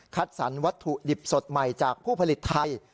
สรรวัตถุดิบสดใหม่จากผู้ผลิตไทย